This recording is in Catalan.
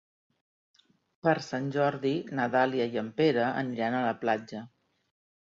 Per Sant Jordi na Dàlia i en Pere aniran a la platja.